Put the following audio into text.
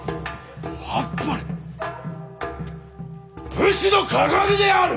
武士の鑑である！